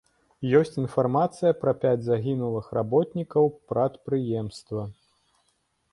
Ёсць інфармацыя пра пяць загінулых работнікаў прадпрыемства.